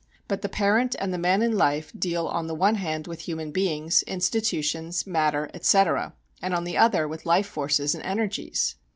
But the parent and the man in life deal on the one hand with human beings, institutions, matter, etc., and on the other with life forces and energies.